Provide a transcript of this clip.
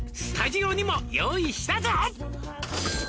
「スタジオにも用意したぞ」